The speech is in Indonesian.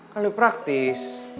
kan lebih praktis